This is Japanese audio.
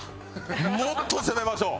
もっと攻めましょう！